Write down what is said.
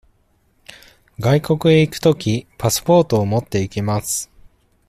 外国へ行くとき、パスポートを持って行きます。